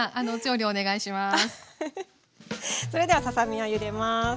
それではささ身をゆでます。